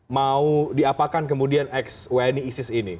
mau diapakan kemudian eks wni eksis ini